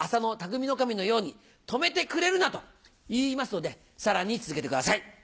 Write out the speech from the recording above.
内匠頭のように「止めてくれるな」と言いますのでさらに続けてください。